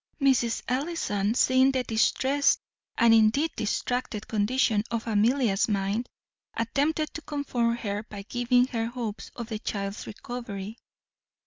Mrs. Ellison, seeing the distrest, and indeed distracted, condition of Amelia's mind, attempted to comfort her by giving her hopes of the child's recovery.